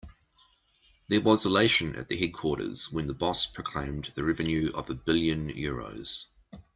There was elation at the headquarters when the boss proclaimed the revenue of a billion euros.